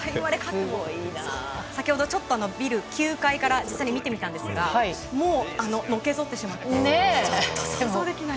先ほどビル９階から実際に見てみたんですがもう、のけぞってしまってちょっと想像できない。